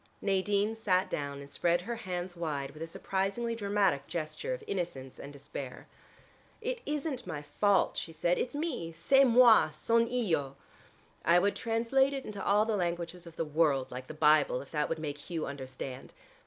Nadine sat down and spread her hands wide with a surprisingly dramatic gesture of innocence and despair. "It isn't my fault," she said; "it's me. C'est moi: son' io! I would translate it into all the languages of the world, like the Bible, if that would make Hugh understand.